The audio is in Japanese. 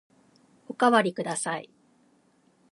おかわりください。